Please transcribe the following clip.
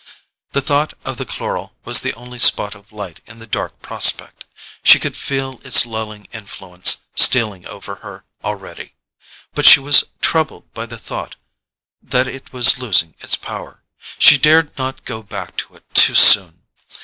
The thought of the chloral was the only spot of light in the dark prospect: she could feel its lulling influence stealing over her already. But she was troubled by the thought that it was losing its power—she dared not go back to it too soon.